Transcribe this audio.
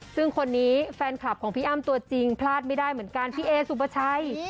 ซึ่งคนนี้แฟนคลับของพี่อ้ำตัวจริงพลาดไม่ได้เหมือนกันพี่เอสุปชัย